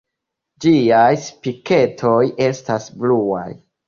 Ĝiaj spiketoj estas bluaj.